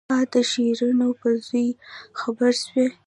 ها د شيرينو په زوى خبره سوې.